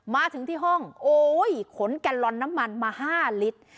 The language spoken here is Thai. มาถึงที่ห้องโอ้ยขนแกลลอนน้ำมันมา๕ลิตร